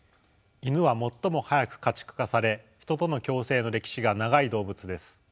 イヌは最も早く家畜化されヒトとの共生の歴史が長い動物です。